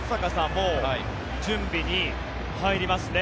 もう準備に入りますね。